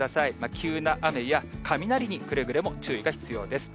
急な雨や雷にくれぐれも注意が必要です。